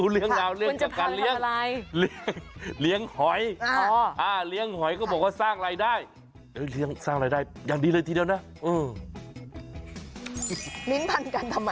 เลี้ยงเพื่อนอ๋อไม่ค่อยเลี้ยงนะไม่ค่อยเลี้ยง